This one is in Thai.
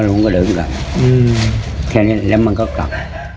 แค่นี้ก็เบลี่ยนแล้วมันก็กลับ